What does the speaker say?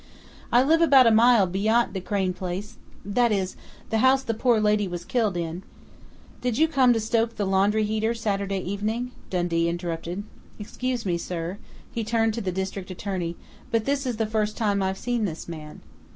I live about a mile beyant the Crain place, that is, the house the poor lady was killed in " "Did you come to stoke the laundry heater Saturday evening?" Dundee interrupted. "Excuse me, sir," he turned to the district attorney, "but this is the first time I've seen this man."